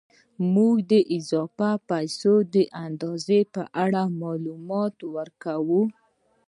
موږ د اضافي پیسو د اندازې په اړه معلومات ورکوو